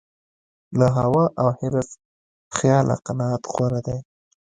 له هوا او حرص خیاله قناعت غوره دی.